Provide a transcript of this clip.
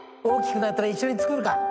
大きくなったら一緒に作るか。